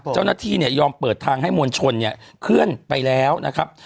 เจ้าหน้าที่เนี่ยยอมเปิดทางให้มวลชนเนี่ยเคลื่อนไปแล้วนะครับ